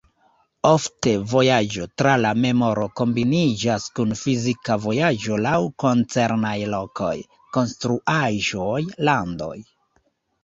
Ofte, vojaĝo tra la memoro kombiniĝas kun fizika vojaĝo laŭ koncernaj lokoj, konstruaĵoj, landoj.